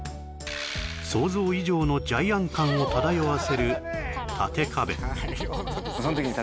想像以上のジャイアン感を漂わせる